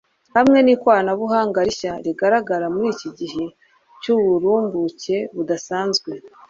hamwe nikoranabuhanga rishya rigaragara muri iki gihe cyuburumbuke budasanzwe